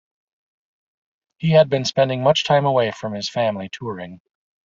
He had been spending much time away from his family touring.